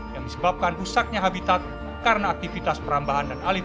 yang disebabkan rusaknya habitat karena aktivitas perambahan dan alif